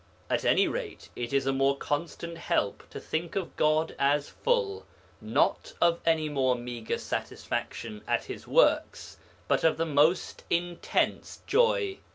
At any rate it is a more constant help to think of God as full, not of any more meagre satisfaction at His works, but of the most intense joy.